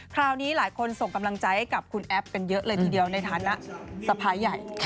คราวนี้หลายคนส่งกำลังใจให้กับคุณแอฟกันเยอะเลยทีเดียวในฐานะสะพ้ายใหญ่